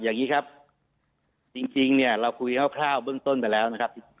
อย่างนี้ครับจริงเนี่ยเราคุยคร่าวเบื้องต้นไปแล้วนะครับ